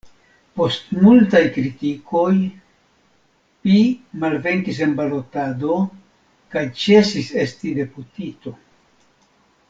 Post multaj kritikoj pi malvenkis en balotado kaj ĉesis esti deputito.